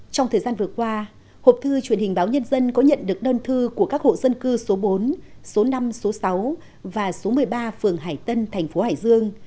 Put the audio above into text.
trong thời gian vừa qua hộp thư truyền hình báo nhân dân có nhận được đơn thư của các hộ dân cư số bốn số năm số sáu và số một mươi ba phường hải tân thành phố hải dương